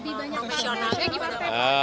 lebih banyak profesional